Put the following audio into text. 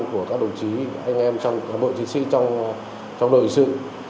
của các đồng chí anh em trong bộ trí sĩ trong đội sự